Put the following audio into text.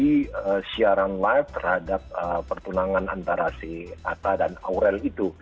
di siaran live terhadap pertunangan antara si atta dan aurel itu